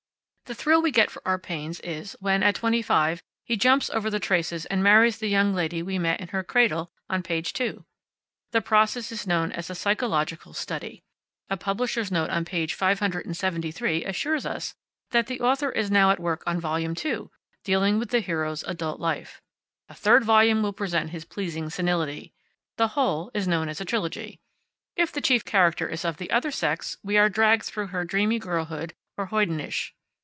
The thrill we get for our pains is when, at twenty five, he jumps over the traces and marries the young lady we met in her cradle on page two. The process is known as a psychological study. A publisher's note on page five hundred and seventy three assures us that the author is now at work on Volume Two, dealing with the hero's adult life. A third volume will present his pleasing senility. The whole is known as a trilogy. If the chief character is of the other sex we are dragged through her dreamy girlhood, or hoydenish.